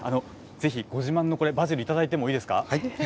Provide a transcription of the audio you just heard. ぜひご自慢のこのバジル、いただいてもいいですか。